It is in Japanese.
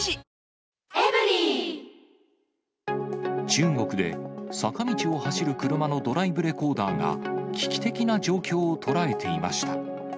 中国で、坂道を走る車のドライブレコーダーが、危機的な状況を捉えていました。